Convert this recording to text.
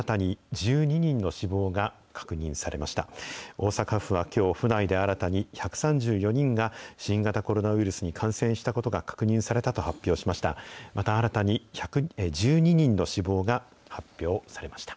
大阪府はきょう、府内で新たに１３４人が、新型コロナウイルスに感染したことが確認されたと発表しました。